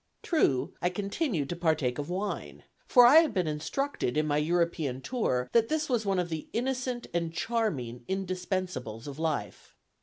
True, I continued to partake of wine, for I had been instructed, in my European tour, that this was one of the innocent and charming indispensables of life.